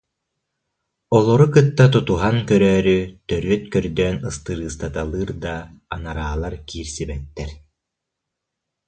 Олору кытта тутуһан көрөөрү, төрүөт көрдөөн ыстырыыстаталыыр да, анараалар киирсибэттэр